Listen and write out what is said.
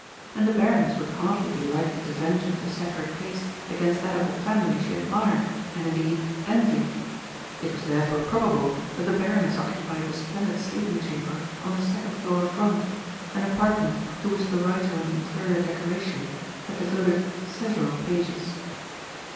And the Baroness would hardly be likely to venture to set her taste against that of a family she admired and indeed envied. It was therefore probable that the Baroness occupied the splendid sleeping chamber on the second floor front, an apartment to which the writer on interior decoration had devoted several pages.